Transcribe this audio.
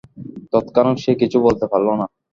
তৎক্ষণাৎ সে কিছু বলতে পারল না।